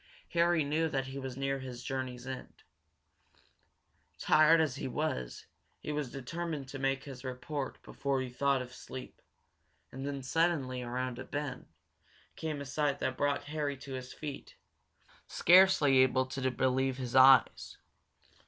Harry knew that he was near his journey's end. Tired as he was, he was determined to make his report before he thought of sleep. And then, suddenly, around a bend, came a sight that brought Harry to his feet, scarcely able to believe his eyes.